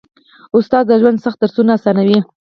استاد د ژوند سخت درسونه اسانوي.